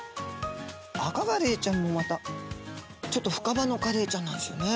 アカガレイちゃんもまたちょっと深場のカレイちゃんなんですよね。